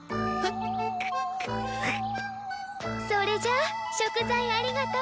それじゃあ食材ありがとう。